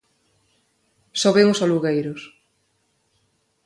Soben os alugueiros.